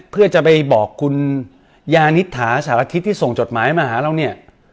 เพื่อจะไปบอกคุณยานิษฐาสารทิศที่ส่งจดหมายมาหาเราเนี่ย